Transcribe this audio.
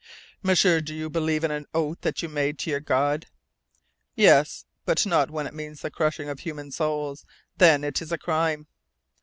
"M'sieur, do you believe in an oath that you make to your God?" "Yes. But not when it means the crushing of human souls. Then it is a crime."